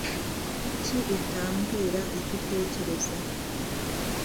Kuki utambwira icyo utekereza?